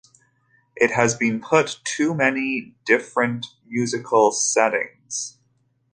It has been put to many different musical settings.